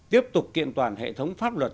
tiếp tục kiện toàn hệ thống pháp luật